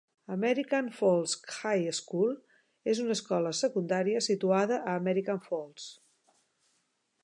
American Falls High School és una escola secundària situada a American Falls.